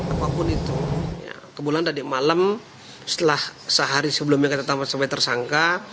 apapun itu kebulan tadi malam setelah sehari sebelumnya kita sampai tersangka